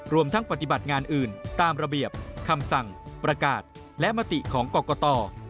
รวมทั้งปฏิบัติงานอื่นตามระเบียบคำสั่งประกาศและมติของกรกต